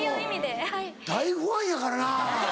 俺もう大ファンやからな。